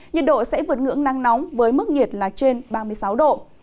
nhiệt độ sẽ vượt ngưỡng nắng nóng với mức nhiệt là trên ba mươi sáu độ